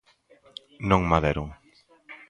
Non ma deron.